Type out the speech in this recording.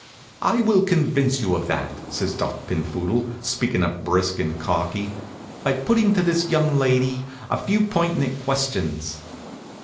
"I will convince you of that," says Doc Pinphoodle, speakin' up brisk and cocky, "by putting to this young lady a few pertinent questions."